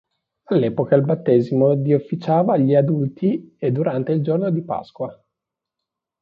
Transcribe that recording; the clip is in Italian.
All'epoca il battesimo di officiava agli adulti e durante il giorno di Pasqua.